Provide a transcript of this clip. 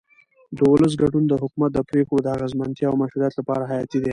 د ولس ګډون د حکومت د پرېکړو د اغیزمنتیا او مشروعیت لپاره حیاتي دی